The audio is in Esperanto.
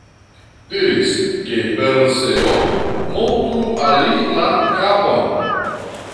Diris, ke Perseo montru al li la kapon.